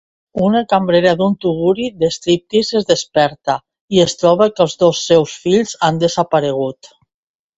Una cambrera d'un tuguri de striptease es desperta i es troba que els seus dos fills han desaparegut.